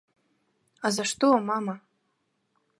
А за што, мама?